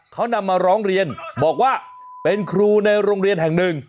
เขานำมาร้องเรียนบอกว่าเป็นครูในโรงเรียนแห่งหนึ่ง